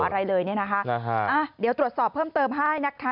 อะไรเลยเนี่ยนะคะเดี๋ยวตรวจสอบเพิ่มเติมให้นะคะ